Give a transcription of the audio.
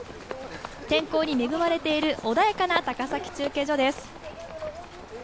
天候に恵まれている穏やかな高崎中継所です。